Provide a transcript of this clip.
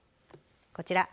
こちら。